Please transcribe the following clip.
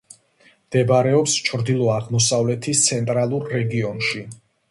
მდებარეობს ჩრდილო-აღმოსავლეთის ცენტრალურ რეგიონში.